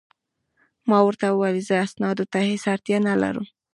ما ورته وویل: زه اسنادو ته هیڅ اړتیا نه لرم.